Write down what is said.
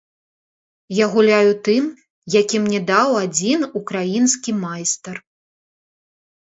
Я гуляю тым, які мне даў адзін украінскі майстар.